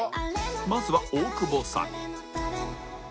まずは大久保さん